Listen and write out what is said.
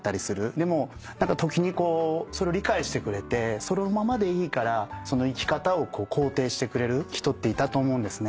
でも時にこうそれを理解してくれてそのままでいいからその生き方を肯定してくれる人っていたと思うんですね。